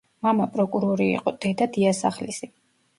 მამა პროკურორი იყო, დედა დიასახლისი.